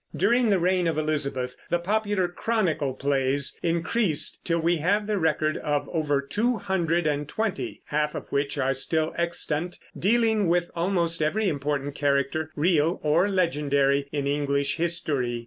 During the reign of Elizabeth the popular Chronicle plays increased till we have the record of over two hundred and twenty, half of which are still extant, dealing with almost every important character, real or legendary, in English history.